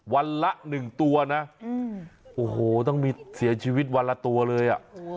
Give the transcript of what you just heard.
วันละ๑ตัวนะโอ้โหต้องมีเสียชีวิตวันละตัวเลยอ่ะ